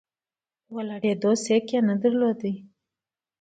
د ولاړېدو سېکه یې نه درلوده.